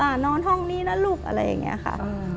นอนห้องนี้นะลูกอะไรอย่างนี้ค่ะ